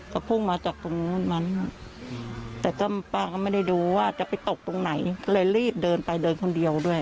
ก็พุ่งมาจากตรงนึงแต่ก็มาแต่มายังไม่ได้ดูว่าจะไปตกตรงไหนเลยรีบเดินไปเดินคนเดียวด้วย